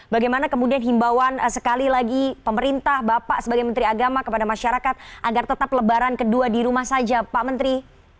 bagaimana kemudian himbauan sekali lagi pemerintah bapak sebagai menteri agama kepada masyarakat agar tetap lebaran kedua di rumah saja pak menteri